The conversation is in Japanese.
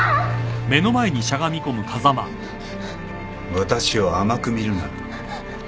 私を甘く見るな。